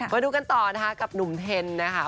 มาดูกันต่อนะคะกับหนุ่มเทนนะคะ